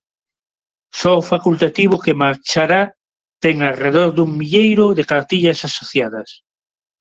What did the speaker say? Só o facultativo que marchará ten arredor dun milleiro de cartillas asociadas.